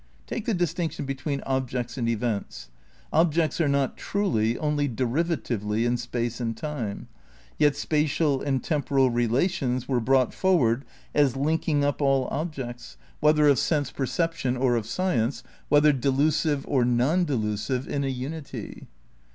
Take the distinction between objects and events. Ob jects are not truly, only derivatively in space and time, yet spatial and temporal relations were brought for ward as linking up all objects, whether of sense percep 96 THE NEW IDEALISM in tion or of science, whether delusive or non delusive, in a unity.